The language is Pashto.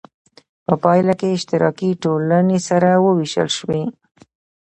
په پایله کې اشتراکي ټولنې سره وویشل شوې.